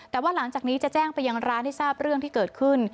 แต่ว่าหลังจากนี้จะแจ้งไปยังร้านให้ทราบเรื่องที่เกิดขึ้น